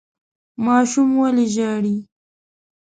ماشوم ولې ژاړي ؟